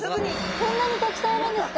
こんなにたくさんいるんですか？